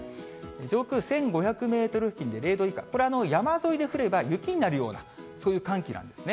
上空１５００メートル付近で０度以下、これ山沿いで降れば雪になるような、そういう寒気なんですね。